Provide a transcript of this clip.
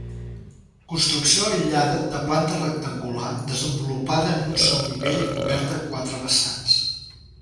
Construcció aïllada de planta rectangular desenvolupada en un sol nivell i coberta a quatre vessants.